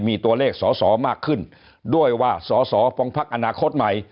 มีตัวเลขสอสอมากขึ้นด้วยว่าสอสอฟองพักอนาคตใหม่